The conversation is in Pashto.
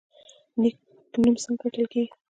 نیک نوم څنګه ګټل کیږي؟